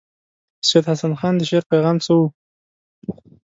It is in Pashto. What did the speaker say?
سید حسن خان د شعر پیغام څه وو.